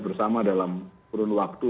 bersama dalam kurun waktu